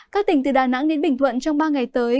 các tỉnh từ đà nẵng đến bình thuận trong ba ngày tới